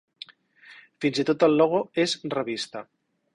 Fins i tot el logo és revista.